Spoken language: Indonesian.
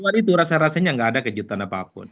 luar itu rasa rasanya nggak ada kejutan apapun